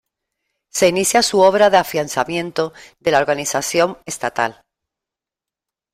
Se inicia su obra de afianzamiento de la organización estatal.